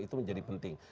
itu menjadi penting